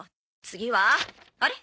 次はあれ？